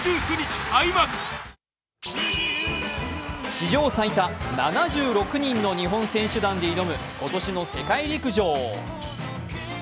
史上最多７６人の日本選手団で挑む今年の世界陸上。